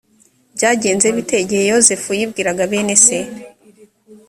byagenze bite igihe yozefu yibwiraga bene se